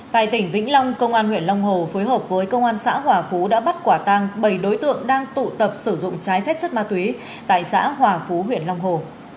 tại tỉnh vĩnh long công an huyện long hồ phối hợp với công an xã hòa phú đã bắt quả tăng bảy đối tượng đang tụ tập sử dụng trái phép chất ma túy tại xã hòa phú huyện long hồ